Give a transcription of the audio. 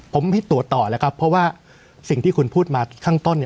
ผมให้ตรวจต่อแล้วครับเพราะว่าสิ่งที่คุณพูดมาข้างต้นเนี่ย